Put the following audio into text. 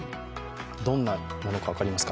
どんなものか分かりますか？